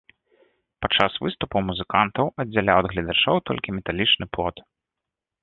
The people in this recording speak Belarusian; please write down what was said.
Падчас выступаў музыкантаў аддзяляў ад гледачоў толькі металічны плот.